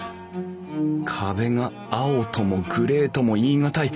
壁が青ともグレーとも言い難い落ち着いた色。